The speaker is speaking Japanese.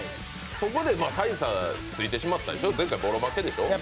そこで大差ついてしまったでしょ、前回ぼろ負けでしょう。